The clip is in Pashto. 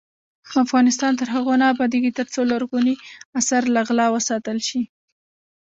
افغانستان تر هغو نه ابادیږي، ترڅو لرغوني اثار له غلا وساتل شي.